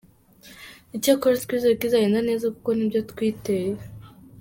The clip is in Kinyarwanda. Icyakora twizere ko izagenda neza kuko nibyo twiteye.”